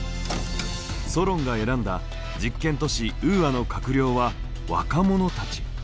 ソロンが選んだ実験都市ウーアの閣僚は若者たち。